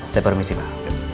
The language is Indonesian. saya permisi pak